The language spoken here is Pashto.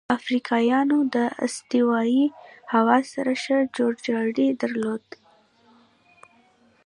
افریقایان د استوایي هوا سره ښه جوړجاړی درلود.